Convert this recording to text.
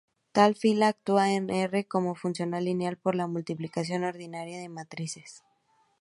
Tal fila actúa en R como funcional lineal por la multiplicación ordinaria de matrices.